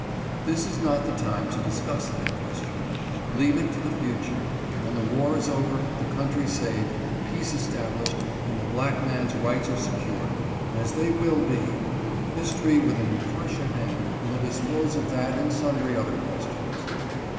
This is not the time to discuss that question. Leave it to the future. When the war is over, the country saved, peace established and the black man's rights are secured, as they will be, history with an impartial hand will dispose of that and sundry other questions.